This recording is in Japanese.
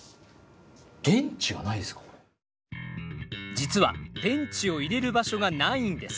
実は電池を入れる場所がないんです。